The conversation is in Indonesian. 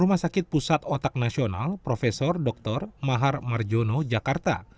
rumah sakit pusat otak nasional prof dr mahar marjono jakarta